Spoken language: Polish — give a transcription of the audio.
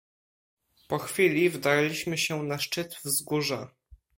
"Po chwili wdarliśmy się na szczyt wzgórza."